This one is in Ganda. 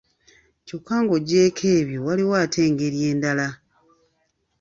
Kyokka nga oggyeeko ebyo waliwo ate engeri endala